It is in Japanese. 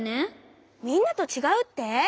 みんなとちがうって！？